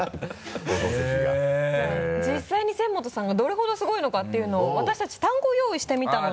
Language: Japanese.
実際に仙本さんがどれほどすごいのかっていうのを私たち単語を用意してみたので。